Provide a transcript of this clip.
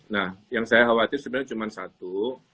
nah yang saya khawatir sebenarnya cuma satu